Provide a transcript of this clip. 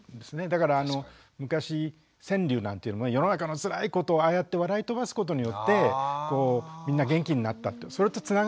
だから昔川柳なんていうのは世の中のつらいことをああやって笑い飛ばすことによってみんな元気になったってそれとつながるとこがありますね。